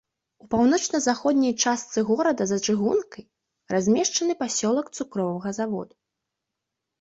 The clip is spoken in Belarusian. У паўночна-заходняй частцы горада за чыгункай размешчаны пасёлак цукровага завода.